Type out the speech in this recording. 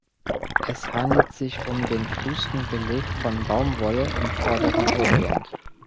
Es handelt sich um den frühsten Beleg von Baumwolle im Vorderen Orient.